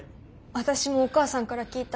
私もお母さんから聞いた。